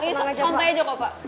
ini contohnya juga pak